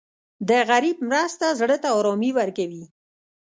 د غریب مرسته زړه ته ارامي ورکوي.